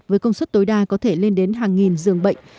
với công suất tối đa có thể lên đến hàng nghìn dường bệnh